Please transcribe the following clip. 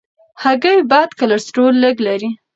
هګۍ بد کلسترول لږ لري.